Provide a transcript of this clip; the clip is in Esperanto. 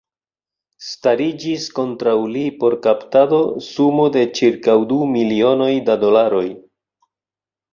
Stariĝis kontraŭ li por kaptado sumo de ĉirkaŭ du milionoj da dolaroj.